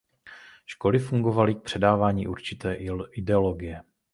Školy fungovaly k předávání určité ideologie.